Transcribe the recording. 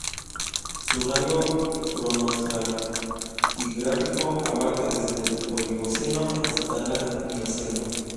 Su rango cronoestratigráfico abarca desde el Oligoceno hasta la Mioceno.